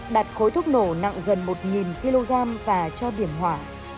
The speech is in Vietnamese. đặt khối thuốc nổ nặng gần một kg và cho điểm hỏa